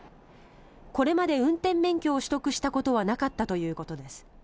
これまで運転免許を取得したことはなかったということです。